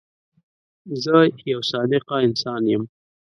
زه یو صادقه انسان یم.